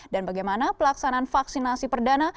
bagaimana pelaksanaan vaksinasi perdana